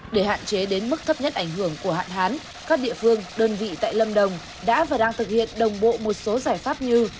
để hạn chế đến mức thấp nhất ảnh hưởng của hạn hán các địa phương đơn vị tại lâm đồng đã và đang thực hiện đồng bộ một số giải pháp như